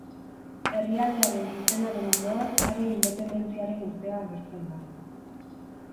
Herrialdearen izenaren ondoan haren independentziaren urtea agertzen da.